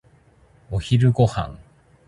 お昼ご飯。